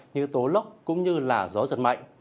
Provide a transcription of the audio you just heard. như tố lốc cũng như là gió giật mạnh